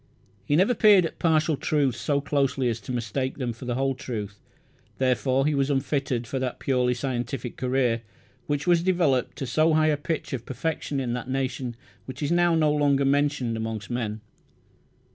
He never peered at partial truths so closely as to mistake them for the whole truth; therefore, he was unfitted for that purely scientific career which was developed to so high a pitch of perfection in that nation which is now no longer mentioned amongst men.